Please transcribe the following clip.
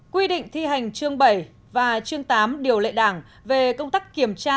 quy định thi hành chương bảy và chương tám điều lệ đảng về công tác kiểm tra